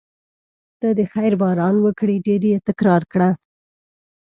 ته د خیر باران وکړې ډېر یې تکرار کړه.